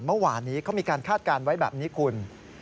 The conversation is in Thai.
เมื่อวานนี้เขามีการคาดการณ์ไว้แบบนี้คุณ